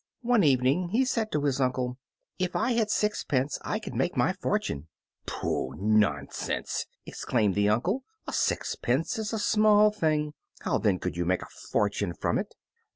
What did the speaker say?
One evening he said to his uncle, "If I had sixpence I could make my fortune." "Pooh! nonsense!" exclaimed his uncle, "a sixpence is a small thing. How then could you make a fortune from it?"